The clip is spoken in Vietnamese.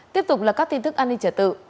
tiếp tục là các tin tức an ninh trả tự